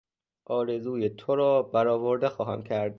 آرزوی تو را بر آورده خواهم کرد.